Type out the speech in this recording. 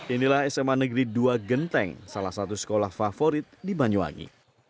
inilah sma negeri dua genteng salah satu sekolah favorit di banyuwangi